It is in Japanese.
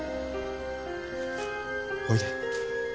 おいで。